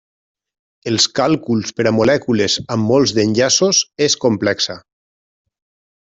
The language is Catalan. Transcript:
Els càlculs per a molècules amb molts d'enllaços és complexa.